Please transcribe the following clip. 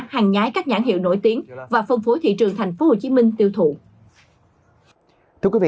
hàng nhái các nhãn hiệu nổi tiếng và phân phối thị trường tp hcm tiêu thụ